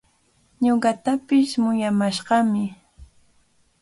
Ñuqatapish muyamashqami.